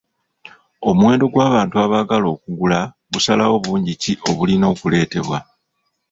Omuwendo gw'abantu abaagala okugula gusalawo bungi ki obulina okuleetebwa.